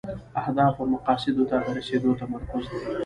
اهدافو او مقاصدو ته د رسیدو تمرکز دی.